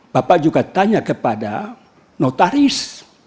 bapak juga tanya kepada notaris